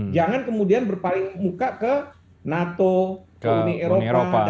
jangan kemudian berpaling muka ke nato ke uni eropa